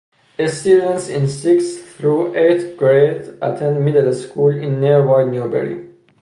Students in sixth through eighth grade attend middle school in nearby Newberry.